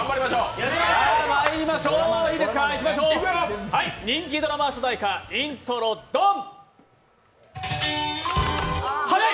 まいりましょう、人気ドラマ主題歌イントロドン。